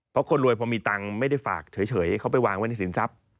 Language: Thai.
เพราะคนรวยพอมีตังค์ไม่ได้ฝากเฉยเขาไปวางไว้ในสินทรัพย์